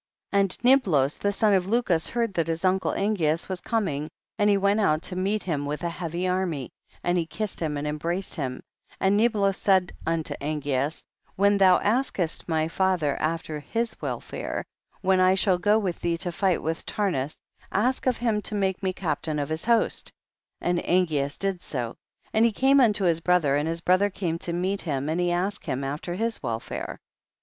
17. And Niblos, the son of Lucus, heard that his uncle Angeas was coming, and he went out to meet him with a heavy army, and he kiss ed him and embraced him, and Nib los said unto Angeas, when thou askest my father after his welfare, when I shall go with thee to fight with Turnus, ask of him to make me captain of his host, and Angeas did so, and he came unto his brother and his brother came to meet him, and he asked him after Ids welfare.